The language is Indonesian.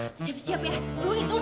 tujuan kita cuma glesio